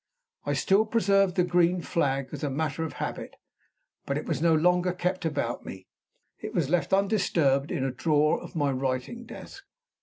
I still preserved the green flag as a matter of habit; but it was no longer kept about me; it was left undisturbed in a drawer of my writing desk.